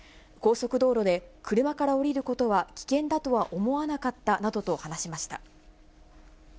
高速道路で車から降りることは危険だとは思わなかったなどと話しました。